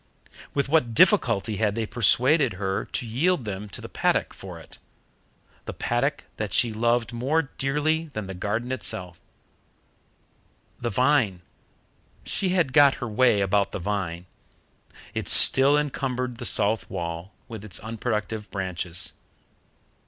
With what difficulty had they persuaded her to yield them to the paddock for it the paddock that she loved more dearly than the garden itself! The vine she had got her way about the vine. It still encumbered the south wall with its unproductive branches.